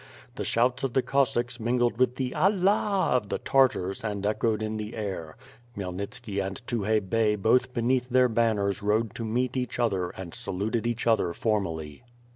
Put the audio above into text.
The shouts of the Cossacks mingled with the "Allah" of the Tartars and echoed in the air. Khymelnitski and Tukhay Bey both beneath their banners rode to meet each other and saluted each other formally.